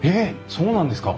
そうなんですか？